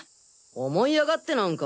思い上がってなんか。